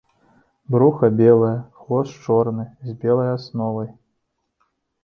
Бруха белае, хвост чорны з белай асновай.